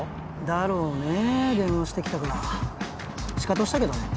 だろうね電話してきたからシカトしたけどね